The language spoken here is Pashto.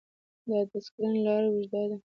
د ادرسکن لاره اوږده ده